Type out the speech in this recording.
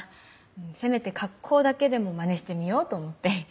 せめて格好だけでもマネしてみようと思って。